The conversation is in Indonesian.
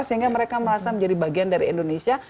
sehingga mereka merasa menjadi bagian dari indonesia